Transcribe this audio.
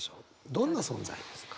どんな存在ですか？